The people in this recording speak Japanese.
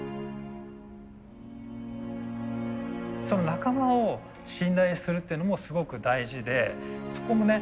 仲間を信頼するっていうのもすごく大事でそこもね